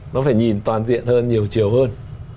nó phải nhìn toàn diện hơn nhiều chiều hơn